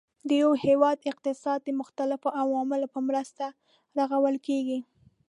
د یو هیواد اقتصاد د مختلفو عواملو په مرسته رغول کیږي.